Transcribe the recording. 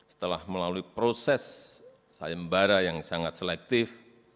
setelah melalui proses saya membara yang sangat selektif